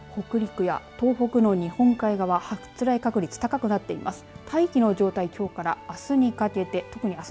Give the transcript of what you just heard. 北陸や東北の日本海側発雷確率高くなっています。